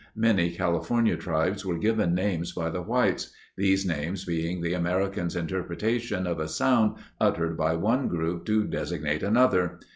Many California tribes were given names by the whites, these names being the American's interpretation of a sound uttered by one group to designate another.